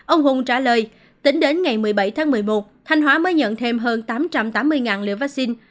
ông hùng trả lời tính đến ngày một mươi bảy tháng một mươi một thanh hóa mới nhận thêm hơn tám trăm tám mươi liều vaccine